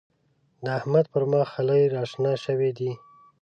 د احمد پر مخ خلي راشنه شوي دی.